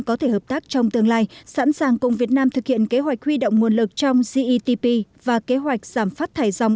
có thể hợp tác trong tương lai sẵn sàng cùng việt nam thực hiện kế hoạch huy động nguồn lực trong ctp và kế hoạch giảm phát thải dòng